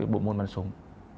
bộ môn bắn súng